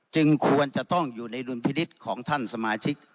จึงควรจะต้องอยู่ในรุนพิฤตของท่านสมาชิก